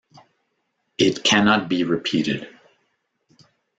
It cannot be repeated.